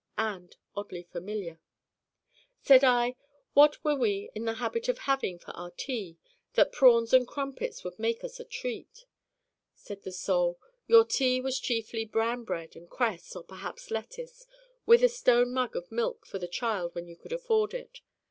And oddly familiar. Said I: 'What were we in the habit of having for our tea that prawns and crumpets would make us a treat?' Said the Soul: 'Your tea was chiefly bran bread and cress or perhaps lettuce, with a stone mug of milk for the child when you could afford it.